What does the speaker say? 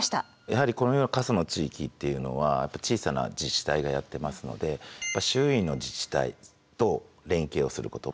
やはりこのような過疎の地域っていうのは小さな自治体がやってますので周囲の自治体と連携をすること。